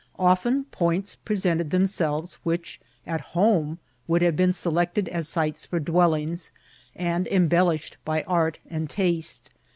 Often points presented them* selves, which at home would have been selected as sites for dwellings, and embellished by art and taste.